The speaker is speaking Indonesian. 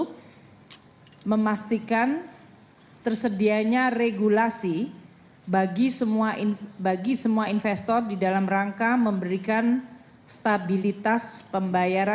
kementerian keuangan telah melakukan upaya upaya